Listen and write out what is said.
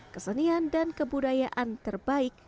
kesenian dan kebudayaan terbaik